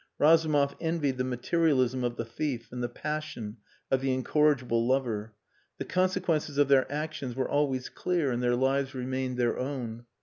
Razumov envied the materialism of the thief and the passion of the incorrigible lover. The consequences of their actions were always clear and their lives remained their own.